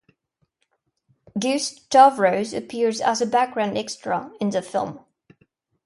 Gus Stavros appears as a background extra in the film.